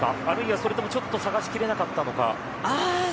あるいはそれともちょっと探しきれなかったのか。